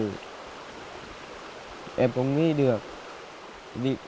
em cũng nghĩ được